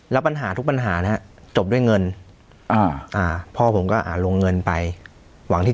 แล้วปัญหาทุกปัญหานะฮะจบด้วยเงินพ่อผมก็ลงเงินไปหวังที่